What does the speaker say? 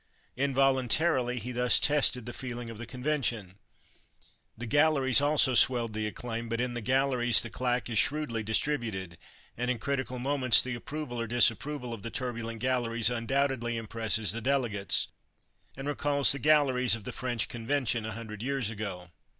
Involuntarily he thus tested the feeling of the convention. The galleries also swelled the acclaim, but in the galleries the claque is shrewdly distributed, and in critical moments the approval or disapproval of the turbulent galleries undoubtedly impresses the delegates, and recalls the galleries of the French convention a hundred years ago.